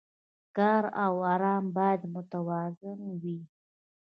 کار او ارام باید متوازن وي.